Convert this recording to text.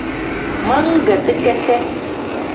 Meegeti keke.